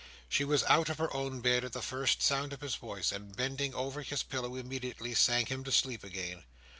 She was out of her own bed at the first sound of his voice; and bending over his pillow immediately, sang him to sleep again.